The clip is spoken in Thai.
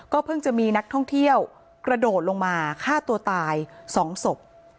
เพิ่งจะมีนักท่องเที่ยวกระโดดลงมาฆ่าตัวตาย๒ศพ